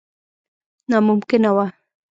ناممکنه وه.